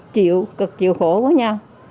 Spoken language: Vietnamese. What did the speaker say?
cực chịu khổ với nhau